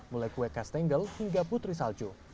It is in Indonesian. mulai kue kastandle hingga putri salju